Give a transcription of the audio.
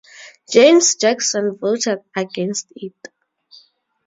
James Jackson voted against it.